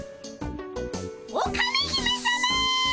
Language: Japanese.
オカメ姫さま！